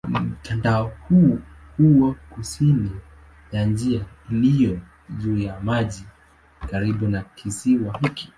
Mtandao huu huwa kusini ya njia iliyo juu ya maji karibu na kisiwa hiki.